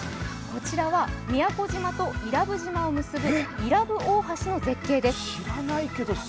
こちらは宮古島と伊良部島をつなぐ伊良部大橋です。